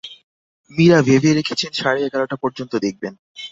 মীরা ভেবে রেখেছেন, সাড়ে এগারটা পর্যন্ত দেখবেন।